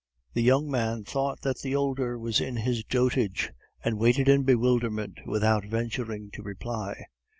The young man thought that the older was in his dotage, and waited in bewilderment without venturing to reply.